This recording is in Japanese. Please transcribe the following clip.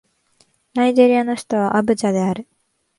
ナイジェリアの首都はアブジャである